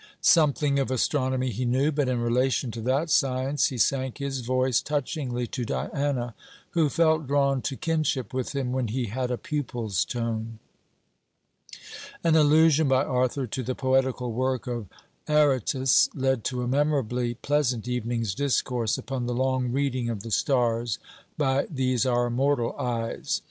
Something of astronomy he knew; but in relation to that science, he sank his voice, touchingly to Diana, who felt drawn to kinship with him when he had a pupil's tone. An allusion by Arthur to the poetical work of Aratus, led to a memorably pleasant evening's discourse upon the long reading of the stars by these our mortal eyes.